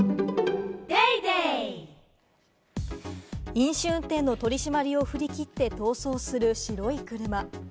飲酒運転の取り締まりを振り切って逃走する白い車。